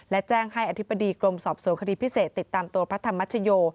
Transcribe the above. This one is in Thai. และแจ้งให้อธิบดีกรมสอบสวนคดีพิเศษติดตามตัวพระธรรมชโย